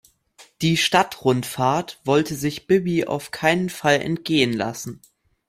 Die Stadtrundfahrt wollte sich Bibi auf keinen Fall entgehen lassen.